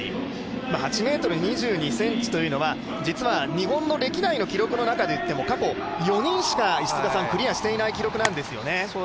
８ｍ２２ｃｍというのは実は日本の歴代の記録の中でも過去４人しかクリアしていない記録なんですよね。